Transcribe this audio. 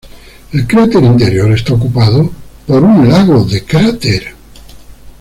El cráter interior está ocupado por un lago de cráter.